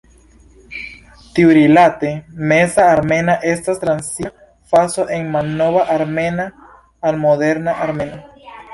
Tiurilate, Meza armena estas transira fazo el malnova armena al moderna armena.